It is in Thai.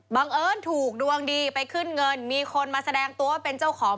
เอิญถูกดวงดีไปขึ้นเงินมีคนมาแสดงตัวเป็นเจ้าของ